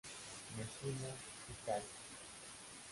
Mesina, Italia.